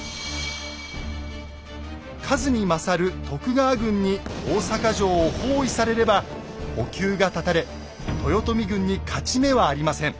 数に勝る徳川軍に大坂城を包囲されれば補給が断たれ豊臣軍に勝ち目はありません。